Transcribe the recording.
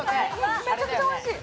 めちゃくちゃおいしい。